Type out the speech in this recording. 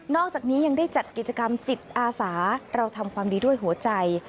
อกจากนี้ยังได้จัดกิจกรรมจิตอาสาเราทำความดีด้วยหัวใจ